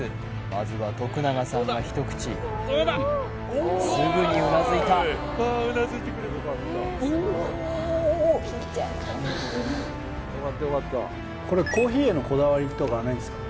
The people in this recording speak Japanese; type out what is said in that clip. まずは永さんが一口うんすぐにうなずいたこれコーヒーへのこだわりとかはないんですか？